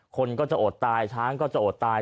คนก็จะอดตายช้างก็จะอดตาย